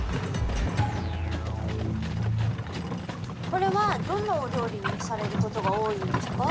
これはどんなお料理にされることが多いんですか？